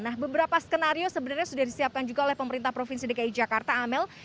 nah beberapa skenario sebenarnya sudah disiapkan juga oleh pemerintah provinsi dki jakarta amel